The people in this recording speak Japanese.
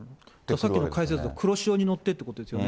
さっきの解説だと、黒潮に乗ってということですよね。